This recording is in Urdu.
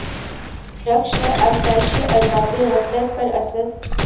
رشک ہے آسایشِ اربابِ غفلت پر اسد!